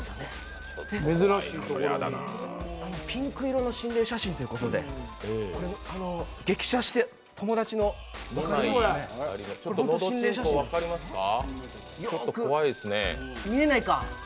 ピンク色の心霊写真ということで激写して、友達の心霊写真なんですけど、見えないか。